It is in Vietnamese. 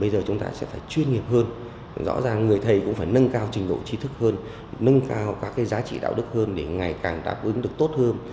rõ ràng là người thầy cũng phải nâng cao trình độ trí thức hơn nâng cao các giá trị đạo đức hơn để ngày càng đáp ứng được tốt hơn